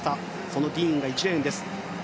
そのディーンが１レーンです。